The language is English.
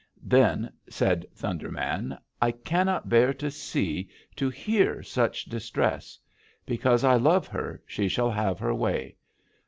"Then said Thunder Man: 'I cannot bear to see to hear such distress. Because I love her, she shall have her way.